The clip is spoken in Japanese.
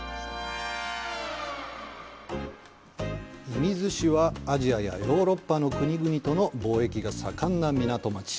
射水市は、アジアやヨーロッパの国々との貿易が盛んな港町。